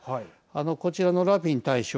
こちらのラピン大将。